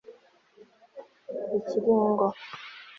ikiringo